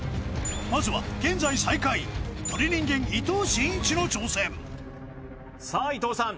まずは現在最下位鳥人間伊藤慎一の挑戦さあ伊藤さん